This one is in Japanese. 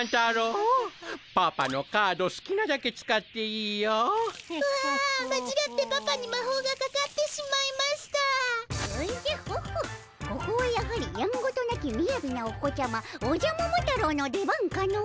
おじゃホッホここはやはりやんごとなきみやびなお子ちゃまおじゃ桃太郎の出番かのう。